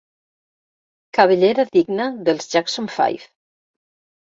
Cabellera digna dels Jackson Five.